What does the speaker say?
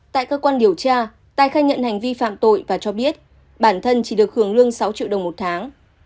tại cơ quan điều tra tài khai nhận hành vi phạm tội và cho biết bản thân chỉ được hưởng lương sáu triệu đồng một tháng